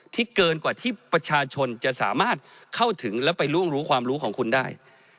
เกินกว่าที่ประชาชนจะสามารถเข้าถึงและไปล่วงรู้ความรู้ของคุณได้